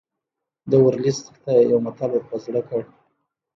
ده ورلسټ ته یو متل ور په زړه کړ.